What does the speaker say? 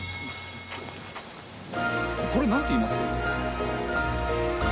これなんて言います？